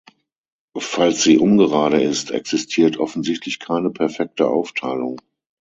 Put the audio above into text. Falls sie ungerade ist, existiert offensichtlich keine perfekte Aufteilung.